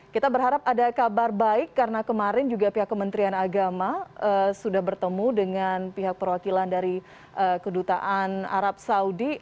kita berharap ada kabar baik karena kemarin juga pihak kementerian agama sudah bertemu dengan pihak perwakilan dari kedutaan arab saudi